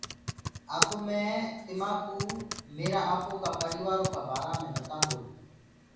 اب مي تماڪوُ ميرآ آپو ڪآ پريٚوآرو ڪآ بارآ مي ٻتاندو هونٚ۔